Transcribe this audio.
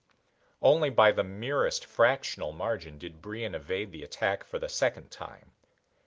Only by the merest fractional margin did Brion evade the attack for the second time.